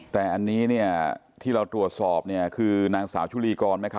แต่อันนี้ที่เราตรวจสอบคือนางสาวชุลีกร